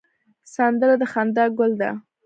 سندره د خندا ګل ده